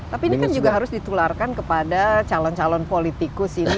tapi ini kan juga harus ditularkan kepada calon calon politikus ini